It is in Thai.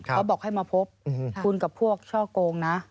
เขาบอกให้มาพบคุณกับพวกช่อโกงนะ